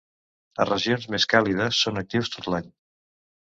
A regions més càlides són actius tot l'any.